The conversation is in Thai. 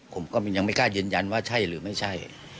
ผมก็ยังไม่กล้ายืนยันว่าใช่หรือไม่ใช่